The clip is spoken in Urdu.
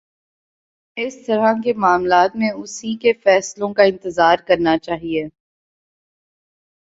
اِس طرح کے معاملات میں اُسی کے فیصلوں کا انتظار کرنا چاہیے